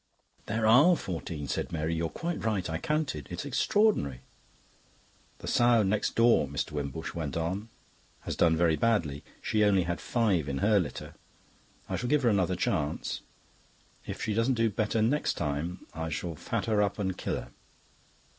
"There ARE fourteen," said Mary. "You're quite right. I counted. It's extraordinary." "The sow next door," Mr. Wimbush went on, "has done very badly. She only had five in her litter. I shall give her another chance. If she does no better next time, I shall fat her up and kill her.